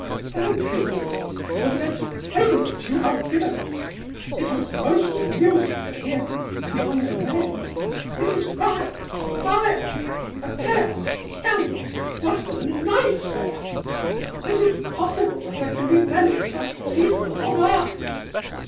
Thank you, prince, for the entertainment you have given us! It was most amusing to hear these young men... It is vile, vile! A chaos, a scandal, worse than a nightmare! Is it possible that there can be many such people on earth?